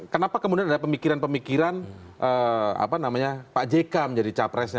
kenapa kemudian ada pemikiran pemikiran pak jk menjadi capresnya